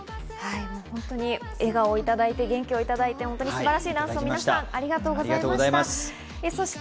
笑顔いただいて元気をいただいて本当に素晴らしいダンスをありがとうございました。